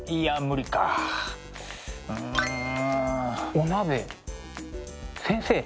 お鍋先生